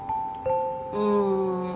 うん。